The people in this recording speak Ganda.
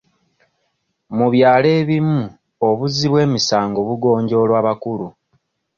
Mu byalo ebimu obuzzi bw'emisango bugonjoolwa bakulu.